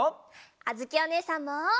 あづきおねえさんも！